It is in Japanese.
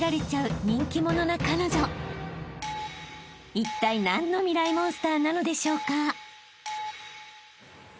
［いったい何のミライ☆モンスターなのでしょうか？］